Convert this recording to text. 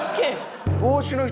帽子の人